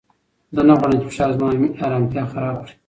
زه نه غواړم چې فشار زما ارامتیا خراب کړي.